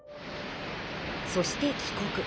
そして帰国。